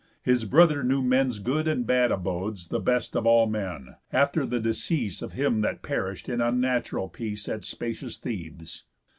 His brother knew men's good and bad abodes The best of all men, after the decease Of him that perish'd in unnatural peace At spacious Thebes.